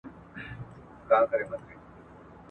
یو بل کس هم هلته ډوډۍ ته په انتظار و.